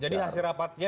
jadi hasil rapatnya